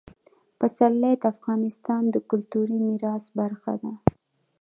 پسرلی د افغانستان د کلتوري میراث برخه ده.